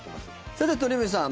さて、鳥海さん